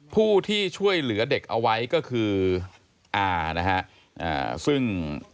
ผู้ที่ช่วยเหลือเด็กเอาไว้ก็คืออานะฮะซึ่ง